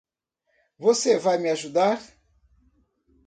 Você vai me ajudar?